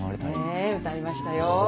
ええ歌いましたよ。